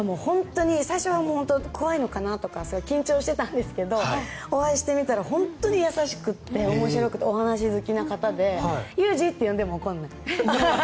最初は怖いのかなと緊張していたんですがお会いしてみたら本当に優しくて面白くてお話好きな方で裕二って呼んでも怒らなかった。